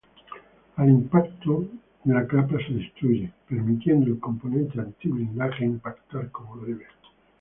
Al impacto la capa se destruye, permitiendo al componente anti-blindaje impactar como debe.